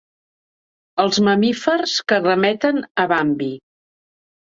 Els mamífers que remeten a Bambi.